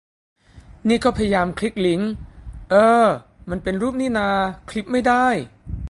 นี่ก็พยายามคลิกลิงก์ เอ้อ มันเป็นรูปนี่นา คลิปไม่ได้